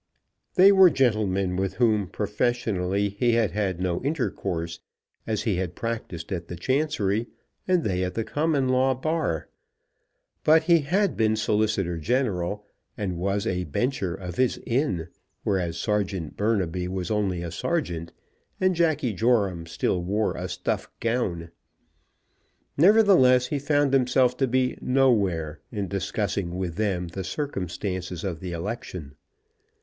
They were gentlemen with whom professionally he had had no intercourse, as he had practised at the Chancery, and they at the Common Law Bar. But he had been Solicitor General, and was a bencher of his Inn, whereas Serjeant Burnaby was only a Serjeant, and Jacky Joram still wore a stuff gown. Nevertheless, he found himself to be "nowhere" in discussing with them the circumstances of the election.